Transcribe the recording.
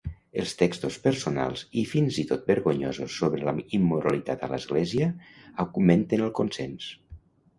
Els textos personals i fins i tot vergonyosos sobre la immoralitat a l'església augmenten el consens.